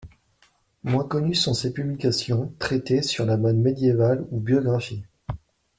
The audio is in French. Moins connues sont ses publications, traités sur la mode médiévale ou biographies.